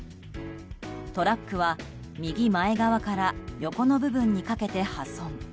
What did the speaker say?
トラックは、右前側から横の部分にかけて破損。